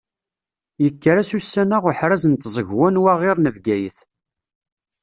Yekker-as ussan-a uḥraz n tẓegwa n waɣir n Bgayet.